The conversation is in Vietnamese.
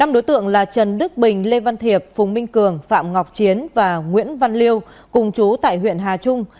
năm đối tượng là trần đức bình lê văn thiệp phùng minh cường phạm ngọc chiến và nguyễn văn liêu cùng chú tại huyện hà trung